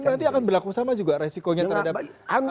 ini berarti akan berlaku sama juga resikonya terhadap kartu